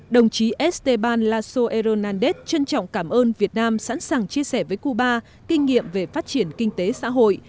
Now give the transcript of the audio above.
đồng chí esteban lasso hernández trân trọng cảm ơn việt nam sẵn sàng chia sẻ với cuba kinh nghiệm về phát triển kinh tế xã hội